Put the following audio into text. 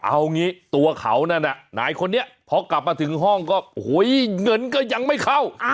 เอางี้ตัวเขานั่นน่ะนายคนนี้พอกลับมาถึงห้องก็โอ้โหเงินก็ยังไม่เข้า